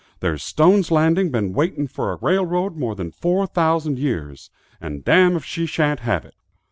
There's Stone's Landing been waiting for a railroad more than four thousand years, and damme if she shan't have it."